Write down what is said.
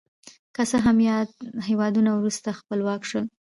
که څه هم یاد هېوادونه وروسته خپلواک شول.